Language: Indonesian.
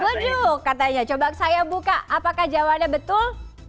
waduh katanya coba saya buka apakah jawabannya betul